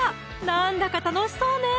なんだか楽しそうね